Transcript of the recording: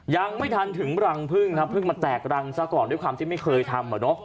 ยังไม่ทำถึงรังพึ่งพึ่งมาแตกรังต่อก่อนด้วยความที่ไม่เคยทำ